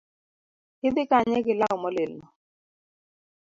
Idhi kanye gi law molil no